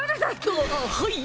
ああはい！